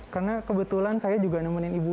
karena kebetulan saya juga nemenin ibu